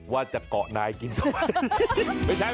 ว่าจะเกาะนายกินทำไม